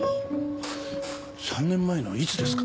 ３年前のいつですか？